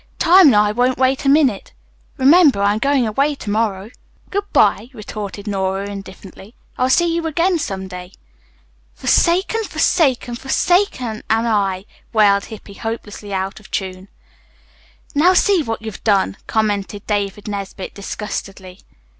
Time and I won't wait a minute. Remember, I'm going away to morrow." "Good bye," retorted Nora indifferently. "I'll see you again some day." "'Forsaken, forsaken, forsaken am I,'" wailed Hippy, hopelessly out of tune. "Now, see what you've done," commented David Nesbit disgustedly.